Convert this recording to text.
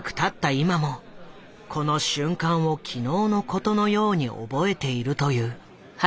今もこの瞬間を昨日のことのように覚えていると言う。